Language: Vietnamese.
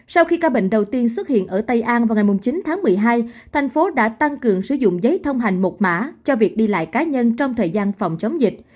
sau khi ca bệnh đầu tiên xuất hiện ở tây an vào ngày chín tháng một mươi hai thành phố đã tăng cường sử dụng giấy thông hành một mã cho việc đi lại cá nhân trong thời gian phòng chống dịch